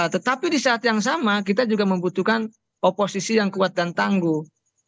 tetapi di saat yang sama kita juga membutuhkan oposisi yang kuat dan tangguh